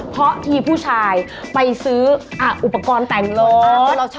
เพราะที่ผู้ชายไปซื้ออุปกรณ์แต่งรถ